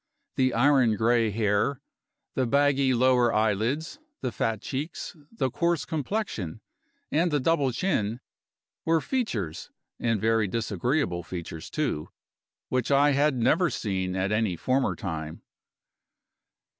The iron gray hair, the baggy lower eyelids, the fat cheeks, the coarse complexion, and the double chin, were features, and very disagreeable features, too, which I had never seen at any former time.